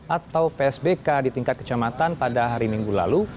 atau psbk di tingkat kecamatan pada hari minggu lalu